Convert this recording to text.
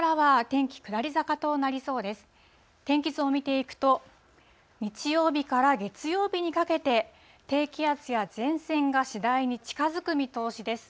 天気図を見ていくと、日曜日から月曜日にかけて、低気圧や前線が次第に近づく見通しです。